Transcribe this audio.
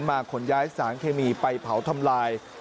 ขนย้ายสารเคมีไปเผาทำลาย